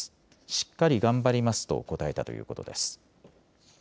しっかり頑張りますと答えたということです。